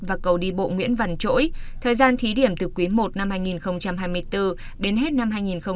và cầu đi bộ nguyễn văn chỗi thời gian thí điểm từ quý i năm hai nghìn hai mươi bốn đến hết năm hai nghìn hai mươi bốn